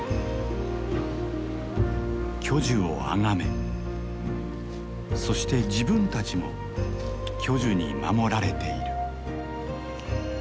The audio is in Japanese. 巨樹をあがめそして自分たちも巨樹に守られている。